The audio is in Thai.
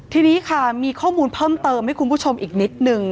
ทีนี้ค่ะมีข้อมูลเพิ่มเติมให้คุณผู้ชมอีกนิดนึง